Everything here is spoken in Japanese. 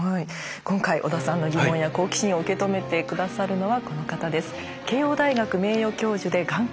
今回織田さんの疑問や好奇心を受け止めて下さるのはこの方です。